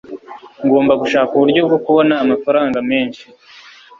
ngomba gushaka uburyo bwo kubona amafaranga menshi